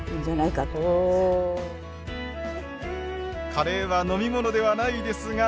カレーは飲み物ではないですが。